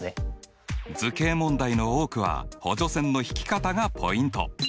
図形問題の多くは補助線の引き方がポイント。